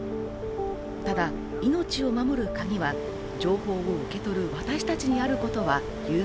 ただ、命を守る鍵は、情報を受け取る私達にあることはいう